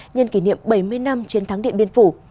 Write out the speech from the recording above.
nhân kỷ niệm bảy mươi năm chiến thắng điện biên phủ